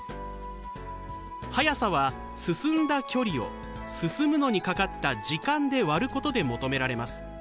「速さ」は進んだ「距離」を進むのにかかった「時間」で割ることで求められます。